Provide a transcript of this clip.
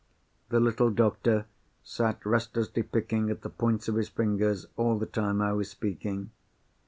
The little doctor sat restlessly picking at the points of his fingers all the time I was speaking.